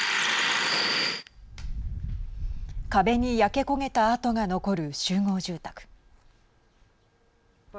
壁に焼け焦げた跡が残る集合住宅。